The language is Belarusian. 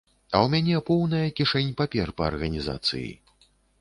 А ў мяне поўная кішэнь папер па арганізацыі.